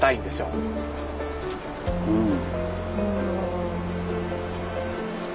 うん。